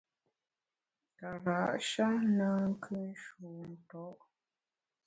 Kara’ sha na nkù nshu nto’.